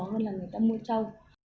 hơn là người ta mua châu